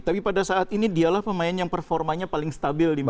tapi pada saat ini dialah pemain yang performanya paling stabil